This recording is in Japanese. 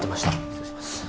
失礼します